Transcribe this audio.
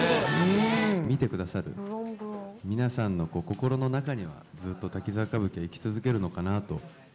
見てくださる皆さんの心の中には、ずっと滝沢歌舞伎は生き続けるのかなと。